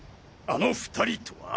あの２人とは？